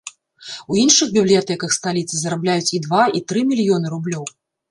У іншых бібліятэках сталіцы зарабляюць і два, і тры мільёны рублёў.